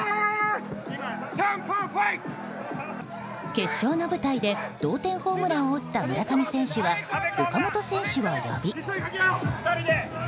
決勝の舞台で同点ホームランを打った村上選手は岡本選手を呼び。